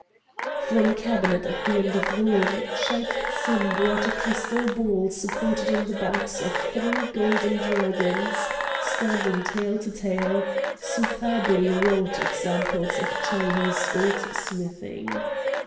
From a cabinet at the end of the room Shaik Tsin brought a crystal ball supported on the backs of three golden dragons standing tail to tail, superbly wrought examples of Chinese goldsmithing.